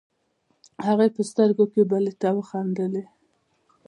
هغې په سترګو کې بلې ته وخندلې.